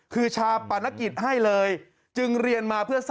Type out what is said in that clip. คือชาปนกิจให้เลย